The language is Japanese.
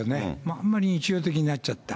あんまり日常的になっちゃった。